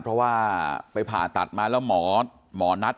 เพราะว่าไปผ่าตัดมาแล้วหมอนัด